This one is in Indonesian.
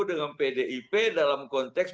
dengan pdip dalam konteks